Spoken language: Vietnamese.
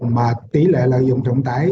mà tỷ lệ lợi dụng trụng tải